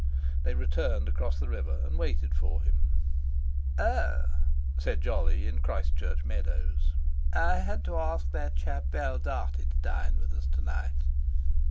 They returned across the river and waited for him. "Oh!" said Jolly in the Christ Church meadows, "I had to ask that chap Val Dartie to dine with us to night.